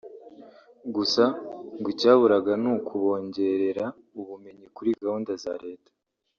gusa ngo icyaburaga ni ukubongerera ubumenyi kuri gahunda za leta